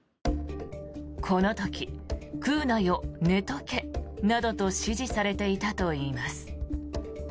この時食うなよ、寝とけなどと指示されていたといいます。